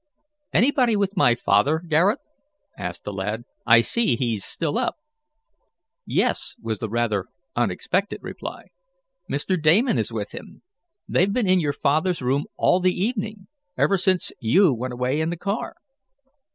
"Anybody with my father, Garret?" asked the lad. "I see he's still up." "Yes," was the rather unexpected reply. "Mr. Damon is with him. They've been in your father's room all the evening ever since you went away in the car."